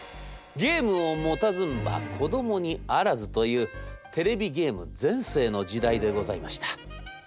『ゲームを持たずんば子どもにあらず』というテレビゲーム全盛の時代でございました。